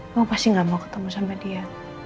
kamu pasti gak mau ketemu sama dia